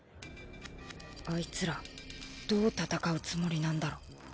アイツらどう戦うつもりなんだろ。